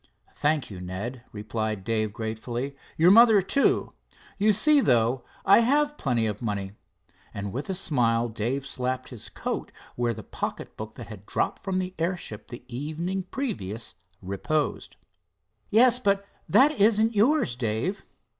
"Thank you, Ned," replied Dave gratefully, "your mother too. You see, though, I have plenty of money," and with a smile Dave slapped his coat where the pocket book that had dropped from the airship the evening previous reposed. "Yes, but that isn't yours, Dave."